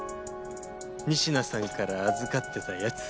仁科さんから預かってたやつ。